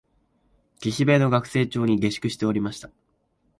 岸辺の学生町に下宿しておりました